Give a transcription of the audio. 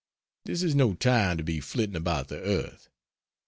This is no time to be flitting about the earth.